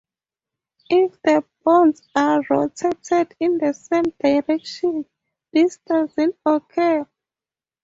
If the bonds are rotated in the same direction, this doesn't occur.